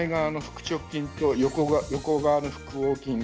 前側の腹直筋と横側の腹横筋。